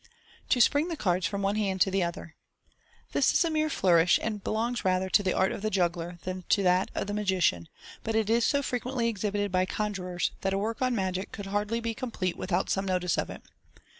To Spring the Cards from one Hand to the Other. — This is a mere flourish, and belongs rather to the art of the juggler than to that of the magician ; but it is so frequently exhibited by conjurors that a work on magic would hardly be complete without some notice of it.